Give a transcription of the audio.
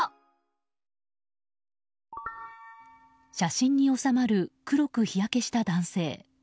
写真に収まる黒く日焼けした男性。